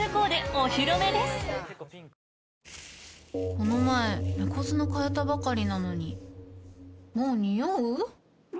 この前猫砂替えたばかりなのにもうニオう？